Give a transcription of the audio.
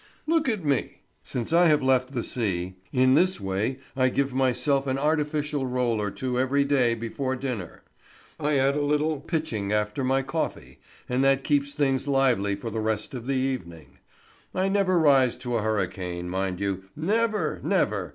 Look at me; since I have left the sea, in this way I give myself an artificial roll or two every day before dinner; I add a little pitching after my coffee, and that keeps things lively for the rest of the evening. I never rise to a hurricane, mind you, never, never.